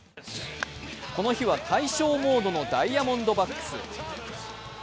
この日は大勝モードのダイヤモンドバックス。